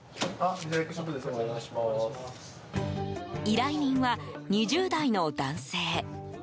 依頼人は、２０代の男性。